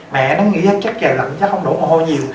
mẹ nó nghĩ chắc trời lạnh chắc không đủ mồ hôi nhiều